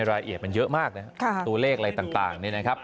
รายละเอียดมันเยอะมากนะครับตัวเลขอะไรต่างนี่นะครับ